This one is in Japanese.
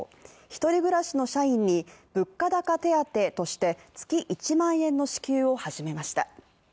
１人暮らしの社員に物価高手当として月１万円の支給を始めました。